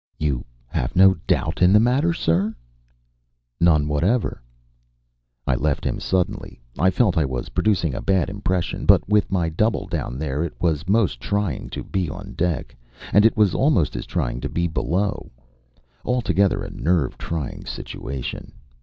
"You have no doubt in the matter, sir?" "None whatever." I left him suddenly. I felt I was producing a bad impression, but with my double down there it was most trying to be on deck. And it was almost as trying to be below. Altogether a nerve trying situation.